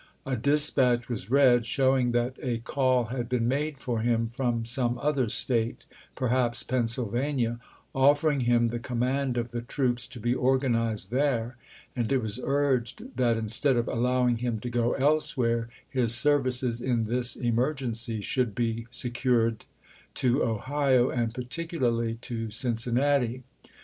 A dispatch was read showing that a call had been made for him from some other State — perhaps Pennsylvania — offer ing him the command of the troops to be organized there, and it was urged that instead of allowing him to go elsewhere his services in this emergency should be secured to Ohio and particularly to Cin cinnati.